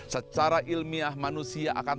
secara ilmiah manusia akan